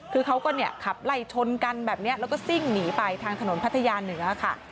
คือเขาก็เนี่ยขับไล่ชนกันแบบนี้แล้วก็ซิ่งหนีไปทางถนนพัทยาเหนือค่ะ